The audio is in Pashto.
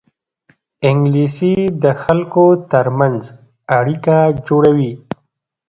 انګلیسي د خلکو ترمنځ اړیکه جوړوي